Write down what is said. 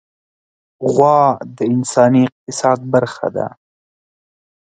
غوا د انساني اقتصاد برخه ده.